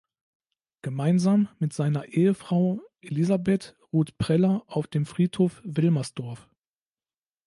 Gemeinsam mit seiner Ehefrau Elisabeth ruht Preller auf dem Friedhof Wilmersdorf.